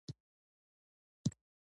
په بمانو الوزول شوې ځمکې پرته بل څه نه وو.